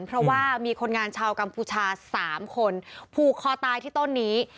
เพราะว่ามีคนงานชาวกัมพูชา๓คนผูกคอตายที่ต้นนี้